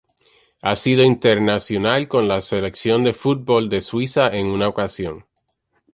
Ha sido internacional con la Selección de fútbol de Suiza en una ocasión.